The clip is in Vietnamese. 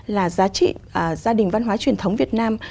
là giá trị gia đình văn hóa truyền thống việt nam